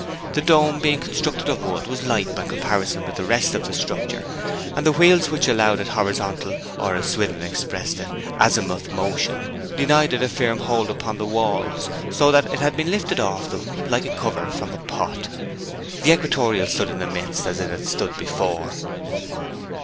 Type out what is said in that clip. The dome, being constructed of wood, was light by comparison with the rest of the structure, and the wheels which allowed it horizontal, or, as Swithin expressed it, azimuth motion, denied it a firm hold upon the walls; so that it had been lifted off them like a cover from a pot. The equatorial stood in the midst as it had stood before.